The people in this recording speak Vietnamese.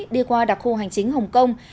đi qua đặc khu hành chính hồng kông